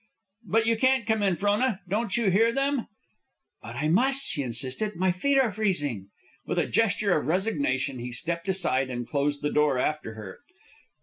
"But you can't come in, Frona. Don't you hear them?" "But I must," she insisted. "My feet are freezing." With a gesture of resignation he stepped aside and closed the door after her.